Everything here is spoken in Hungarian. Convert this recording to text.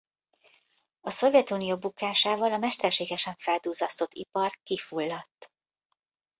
A Szovjetunió bukásával a mesterségesen felduzzasztott ipar kifulladt.